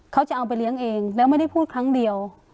เขาจะเอาไปเลี้ยงเองแล้วไม่ได้พูดครั้งเดียว